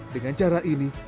dengan cara ini